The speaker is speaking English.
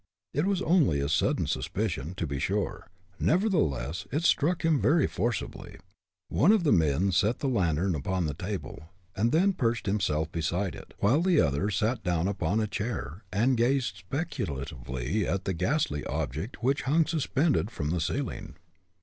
It was only a sudden suspicion, to be sure; nevertheless it struck him very forcibly. One of the men set the lantern upon the table, and then perched himself beside it, while the other sat down upon a chair and gazed speculatively at the ghastly object which hung suspended from the ceiling.